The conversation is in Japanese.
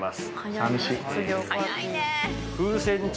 寂しい。